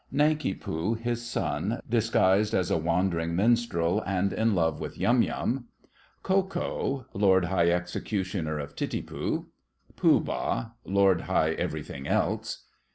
NANKI POO (his Son, disguised as a wandering minstrel, and in love with Yum Yum). KO KO (Lord High Executioner of Titipu). POOH BAH (Lord High Everything Else).